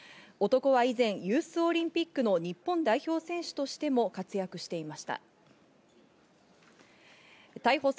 男は以前、ユースオリンピックの日本代表選手としても活躍してい